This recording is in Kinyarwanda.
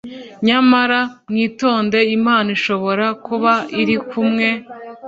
nyamara mwitonde Imana ishobora kuba iri kumwe